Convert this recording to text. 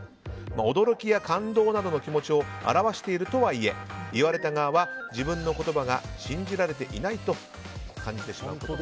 驚きや感動などの気持ちを表しているとはいえ言われた側は、自分の言葉が信じられていないと感じてしまうと。